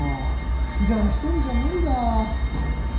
じゃあ１人じゃ無理だ。